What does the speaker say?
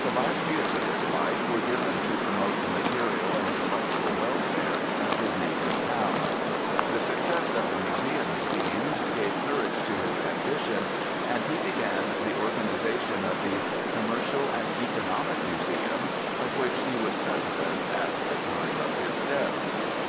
The last years of his life were given to promote the material and intellectual welfare of his native town. The success of the museum schemes gave courage to his ambition, and he began the organization of the Commercial and Economic Museum, of which he was 224 BIOGRAPHICAL ESSAYS president at the time of his death.